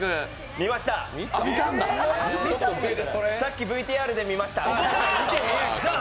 見ました、さっきＶＴＲで見ました。